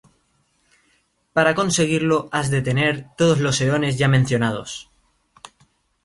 Para conseguirlo has de tener todos los eones ya mencionados.